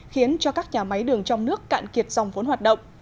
khiến cho các nhà máy đường trong nước cạn kiệt dòng vốn hoạt động